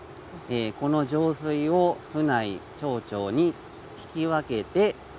「この上水を府内町々に引き分けて」。